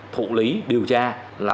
thụ lý điều tra là